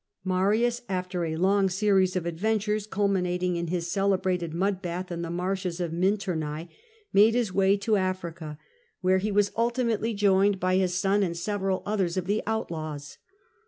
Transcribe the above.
Marius, after a long seiies of adventures, culminating in his celebrated mud bath in the marshes of Minturnae, made his way to Africa, where 126 SULLA lie was ultitnately' joined by his son and several others oF the outlaws.